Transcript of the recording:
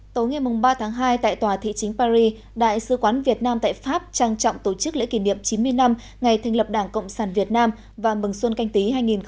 tối ngày ba tháng hai tại tòa thị chính paris đại sứ quán việt nam tại pháp trang trọng tổ chức lễ kỷ niệm chín mươi năm ngày thành lập đảng cộng sản việt nam và mừng xuân canh tí hai nghìn hai mươi